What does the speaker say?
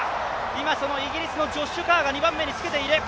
今、そのイギリスのジョッシュ・カーが２番目につけている。